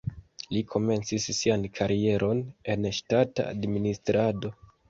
Li komencis sian karieron en ŝtata administrado.